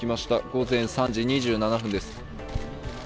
午前３時２７分です。